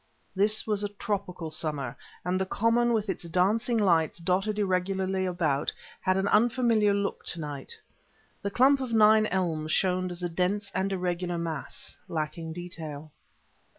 This was a tropical summer, and the common, with its dancing lights dotted irregularly about it, had an unfamiliar look to night. The clump of nine elms showed as a dense and irregular mass, lacking detail.